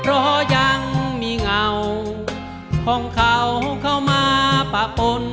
เพราะยังมีเงาของเขาเข้ามาปะปน